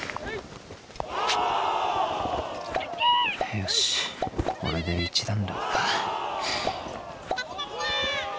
・よしこれで一段落か。